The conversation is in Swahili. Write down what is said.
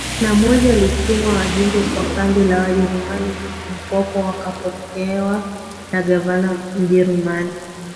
na moja alituma wajumbe kwa kambi la Wajerumani huko Mpwawa wakapokewa na gavana Mjerumani